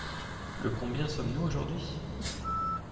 Le combien sommes-nous aujourd’hui ?